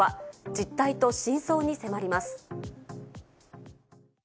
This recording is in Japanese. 実態と真相に迫ります。